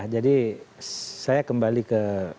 jadi saya kembali ke